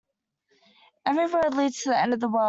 Every road leads to the end of the world.